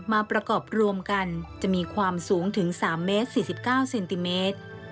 มาประกอบรวมกันจะมีความสูงถึง๓เมตร๔๙เซนติเมตร